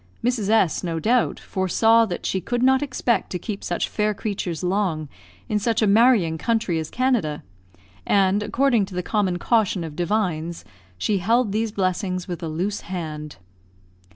Mrs. S , no doubt, foresaw that she could not expect to keep such fair creatures long in such a marrying country as Canada, and, according to the common caution of divines, she held these blessings with a loose hand.